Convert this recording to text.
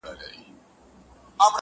ګرم مي و نه بولی چي شپه ستایمه ،